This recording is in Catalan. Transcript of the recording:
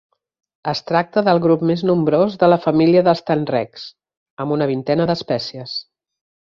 Es tracta del grup més nombrós de la família dels tenrecs, amb una vintena d'espècies.